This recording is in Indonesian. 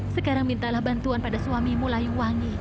sekarang mintalah bantuan pada suamimu layuwangi